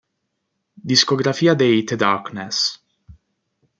Discografia dei The Darkness